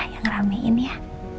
yang ramein ya